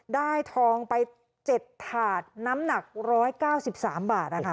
ได้ทองไปเจ็ดถาดน้ำหนักร้อยเก้าสิบสามบาทนะคะ